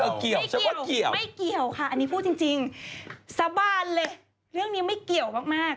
เกี่ยวไม่เกี่ยวไม่เกี่ยวค่ะอันนี้พูดจริงสาบานเลยเรื่องนี้ไม่เกี่ยวมากมาก